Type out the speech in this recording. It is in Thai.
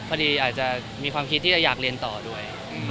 พอดีอาจจะมีความคิดที่จะอยากเรียนต่อด้วย